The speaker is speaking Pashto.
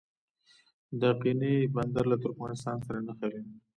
د اقینې بندر له ترکمنستان سره نښلي